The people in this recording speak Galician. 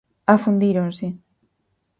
Afundíronse.